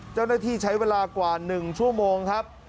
เจ้าหน้าที่ใช้เวลากว่า๑ชั่วโมงครับ